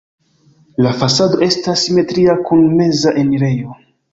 La fasado estas simetria kun meza enirejo.